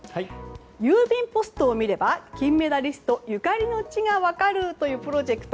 郵便ポストを見れば金メダリストゆかりの地が分かるというプロジェクト